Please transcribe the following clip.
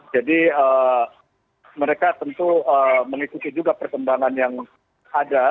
jadi mereka tentu mengikuti juga perkembangan yang ada